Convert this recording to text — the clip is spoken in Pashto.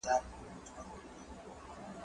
زه له پرون راهیسې کار کوم؟